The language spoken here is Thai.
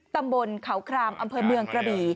ตำบลเขาครามอำเภอเมืองกระบี่